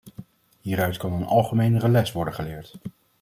Hieruit kan een algemenere les worden geleerd.